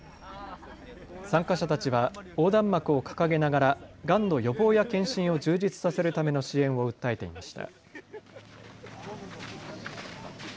参加者たちは横断幕を掲げながらがんの予防や検診を充実させるための支援を訴えていました。